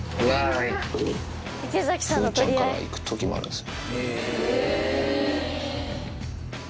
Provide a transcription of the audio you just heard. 風ちゃんから行くときもあるんすよ。